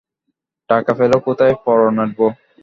টাকা পেলে কোথায় পরাণের বৌ?